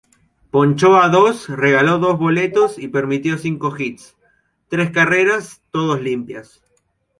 Ponchó a dos, regaló dos boletos y permitió cinco hits, tres carreras, todos limpias.